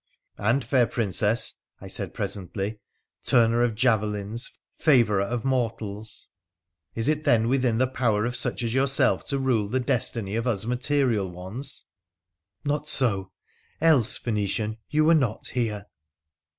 'And, fair Princess,' I said presently, ' turner of javelins, favourer of mortals, is it then within the power of such as yourself to rule the destiny of us material ones ?'' Not so ; else, Phoenician, you were not here